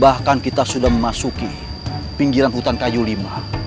bahkan kita sudah memasuki pinggiran hutan kayu lima